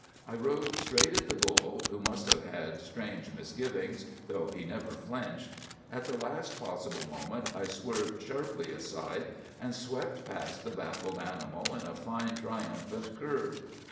I rode straight at the bull, who must have had strange misgivings, though he never flinched. At the last possible moment I swerved sharply aside, and swept past the baffled animal in a fine triumphant curve.